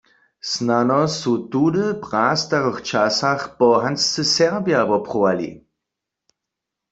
Snano su tudy w prastarych časach pohanscy Serbja woprowali.